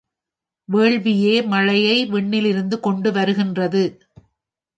வேள்வியே மழையை விண்ணிலிருந்து கொண்டு வருகின்றது.